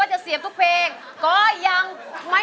เฮ้อะไร